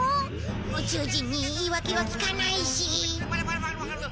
宇宙人に「いいわ毛」は効かないし。